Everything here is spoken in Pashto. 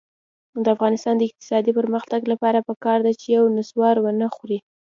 د افغانستان د اقتصادي پرمختګ لپاره پکار ده چې نصوار ونه خورئ.